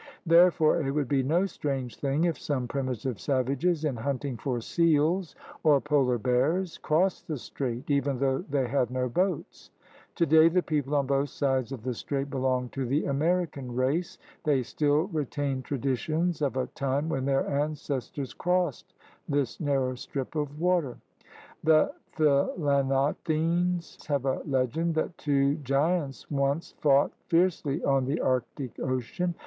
Therefore it would be no strange thing if some primitive savages, in hunting for seals or polar bears, crossed the Strait, even though they had no boats. Today the people on both sides of the Strait belong to the American race. They still retain traditions of a time when their ancestors crossed this narrow strip of water. The Thilanot tines have a legend that two giants once fought fiercely on the Arctic Ocean.